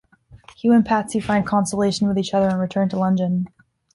Hugh and Patsy find consolation with each other and return to London.